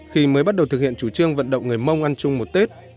khi mới bắt đầu thực hiện chủ trương vận động người mông ăn chung một tết